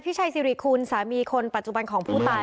ชัยสิริคุณสามีคนปัจจุบันของผู้ตาย